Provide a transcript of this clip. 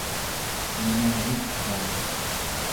nunaniqvaa